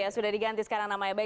sudah diganti sekarang namanya